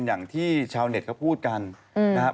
อย่างที่ชาวเน็ตพูดกันนะค่ะ